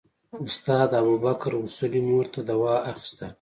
استاد ابوبکر اصولي مور ته دوا اخیستله.